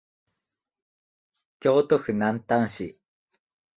京都府南丹市